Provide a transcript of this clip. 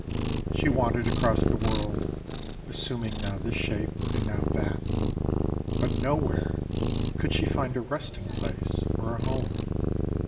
She wandered across the world, assuming now this shape and now that, but nowhere could she find a resting place or a home.